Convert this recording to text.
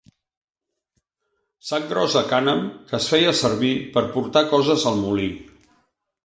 Sac gros de cànem que es feia servir per portar coses al molí.